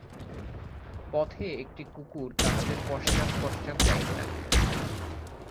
পথে একটি কুকুর তাঁহাদের পশ্চাৎ পশ্চাৎ যাইতে লাগিল।